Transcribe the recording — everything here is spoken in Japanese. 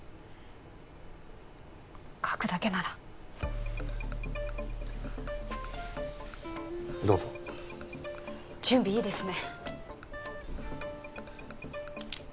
書くだけならどうぞ準備いいですね